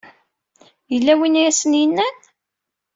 Yella win i asen-yennan?